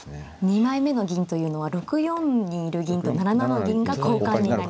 ２枚目の銀というのは６四にいる銀と７七の銀が交換になりそうと。